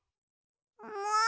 もう！